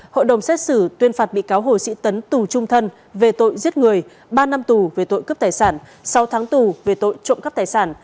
hội đồng xét xử tuyên phạt bị cáo hồ sĩ tấn tù trung thân về tội giết người ba năm tù về tội cướp tài sản sau tháng tù về tội trộm cắp tài sản